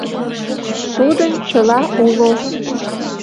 Тудын чыла уло.